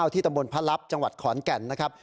ที่ตำบลพระลับจังหวัดขอนแก่นนะครับ